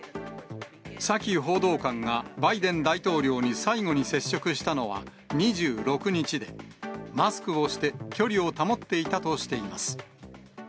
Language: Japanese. サキ報道官がバイデン大統領に最後に接触したのは２６日で、マスクをして、距離を保っていたとしています。